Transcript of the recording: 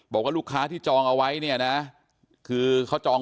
บอกว่าลูกค้าที่จองเอาไว้เนี่ยนะคือเขาจอง